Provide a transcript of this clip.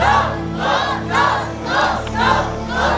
ขอรึกภาพที่จะประโยชน์